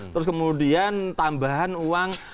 terus kemudian tambahan uang